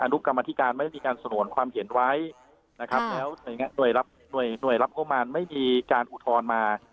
นุกรรมธิการไม่ได้มีการสนวนความเห็นไว้นะครับแล้วหน่วยรับงบมารไม่มีการอุทธรณ์มา